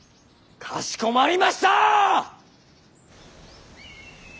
かしこまりました！